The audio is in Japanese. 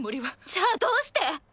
じゃあどうして？